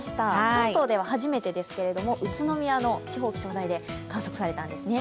関東では初めてですけれども、宇都宮の地方気象台で観測されたんですね。